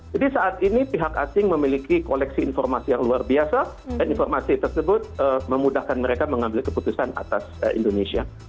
jadi saat ini pihak asing memiliki koleksi informasi yang luar biasa dan informasi tersebut memudahkan mereka mengambil keputusan atas indonesia